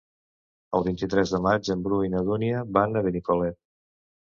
El vint-i-tres de maig en Bru i na Dúnia van a Benicolet.